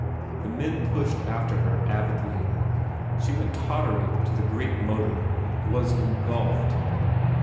The men pushed after her avidly. She went tottering to the great motor, was en gulfed.